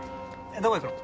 どこ行くの？